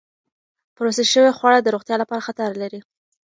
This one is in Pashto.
پروسس شوې خواړه د روغتیا لپاره خطر لري.